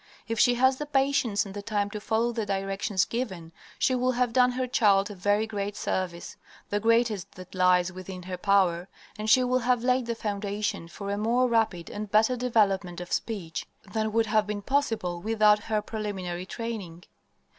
If she has the patience and the time to follow the directions given, she will have done her child a very great service; the greatest that lies within her power; and she will have laid the foundation for a more rapid and better development of speech than would have been possible without her preliminary training.